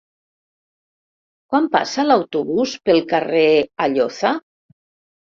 Quan passa l'autobús pel carrer Alloza?